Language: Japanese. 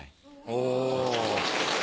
・お！